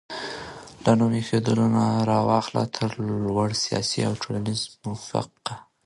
له نوم ايښودلو نه راواخله تر لوړ سياسي او ټولنيز موقفه پورې